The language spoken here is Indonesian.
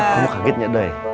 kamu kaget gak day